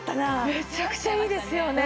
めちゃくちゃいいですよね。